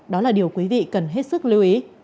đó là điều quý vị cần hết sức lưu ý